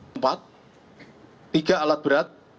tempat tiga alat berat